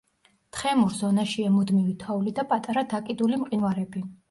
თხემურ ზონაშია მუდმივი თოვლი და პატარა დაკიდული მყინვარები.